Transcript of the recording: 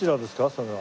それは。